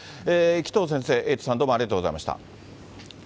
紀藤先生、エイトさん、どうもありがとうございました。